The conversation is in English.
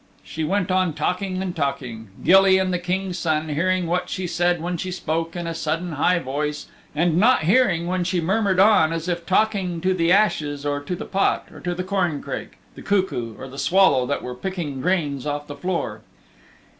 She went on talking and talking, Gilly and the King's Son hearing what she said when she spoke in a sudden high voice, and not hearing when she murmured on as if talking to the ashes or to the pot or to the corncrake, the cuckoo or the swallow that were picking grains off the floor.